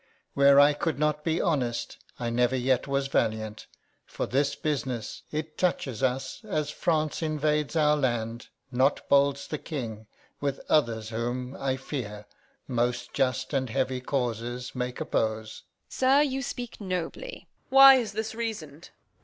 Where I could not be honest, I never yet was valiant. For this business, It toucheth us as France invades our land, Not bolds the King, with others whom, I fear, Most just and heavy causes make oppose. Edm. Sir, you speak nobly. Reg. Why is this reason'd?